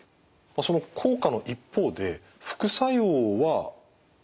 その効果の一方で副作用はどうでしょうか？